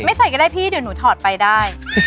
ใส่ก็ได้พี่เดี๋ยวหนูถอดไปได้